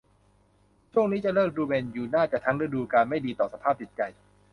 ช่วงนี้เลิกดูแมนยู น่าจะทั้งฤดูกาล ไม่ดีต่อสภาพจิตใจ